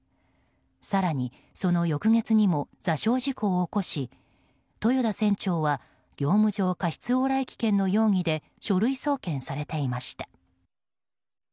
更に、その翌月にも座礁事故を起こし豊田船長は業務上過失往来危険の容疑で書類送検されていました。